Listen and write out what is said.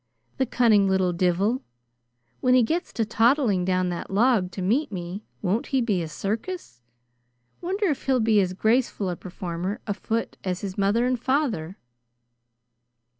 The cunning little divil! When he gets to toddling down that log to meet me, won't he be a circus? Wonder if he'll be as graceful a performer afoot as his father and mother?"